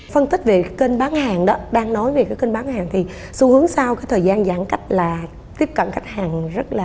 phân tích về kênh bán hàng đó đang nói về kênh bán hàng thì xu hướng sau thời gian giãn cách là tiếp cận khách hàng rất lớn